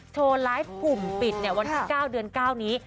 โชว์ไลฟ์ปุ่มปิดวันที่๙เดือน๙นี้